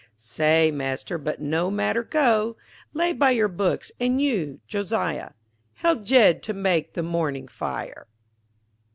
_ Say Master, but no matter, go Lay by your books and you, Josiah, Help Jed to make the morning fire.